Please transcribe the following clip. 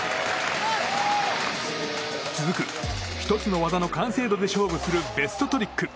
続く、１つの技の完成度で勝負するベストトリック。